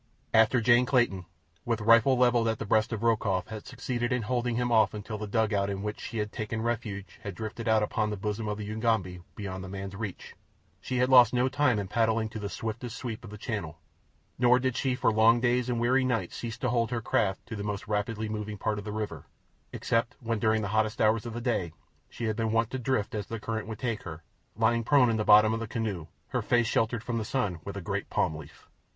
After Jane Clayton, with rifle levelled at the breast of Rokoff, had succeeded in holding him off until the dugout in which she had taken refuge had drifted out upon the bosom of the Ugambi beyond the man's reach, she had lost no time in paddling to the swiftest sweep of the channel, nor did she for long days and weary nights cease to hold her craft to the most rapidly moving part of the river, except when during the hottest hours of the day she had been wont to drift as the current would take her, lying prone in the bottom of the canoe, her face sheltered from the sun with a great palm leaf.